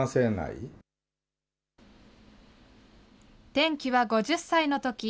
転機は５０歳のとき。